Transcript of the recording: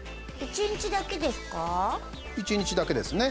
１日だけですね。